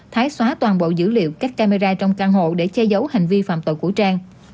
thái xóa toàn bộ dữ liệu cách camera trong căn hộ để che giấu hành vi phạm tội của trang